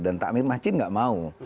dan takmir masjid tidak mau